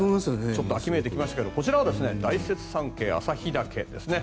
ちょっと秋めいてきましたがこちらは大雪山系旭岳ですね。